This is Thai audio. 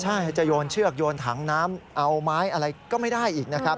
ใช่จะโยนเชือกโยนถังน้ำเอาไม้อะไรก็ไม่ได้อีกนะครับ